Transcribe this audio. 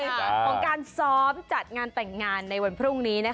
ของการซ้อมจัดงานแต่งงานในวันพรุ่งนี้